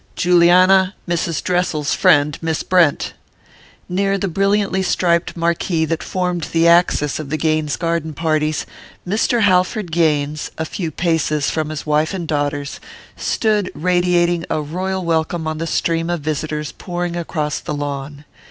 Juliana, Mrs. Dressel's friend Miss Brent " Near the brilliantly striped marquee that formed the axis of the Gaines garden parties, Mr. Halford Gaines, a few paces from his wife and daughters, stood radiating a royal welcome on the stream of visitors pouring across the lawn.